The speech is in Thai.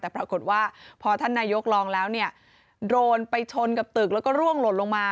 แต่ปรากฏว่าพอท่านนายกลองแล้วเนี่ยโดนไปชนกับตึกแล้วก็ร่วงหล่นลงมา